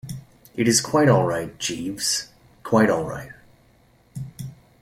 It is quite all right, Jeeves, quite all right.